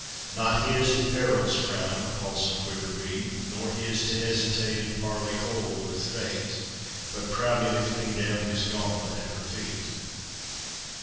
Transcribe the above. Not his, at peril's frown, A pulse of quicker beat; Not his to hesitate And parley hold with Fate, But proudly to fling down His gauntlet at her feet.